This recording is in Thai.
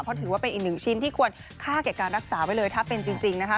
เพราะถือว่าเป็นอีกหนึ่งชิ้นที่ควรค่าแก่การรักษาไว้เลยถ้าเป็นจริงนะคะ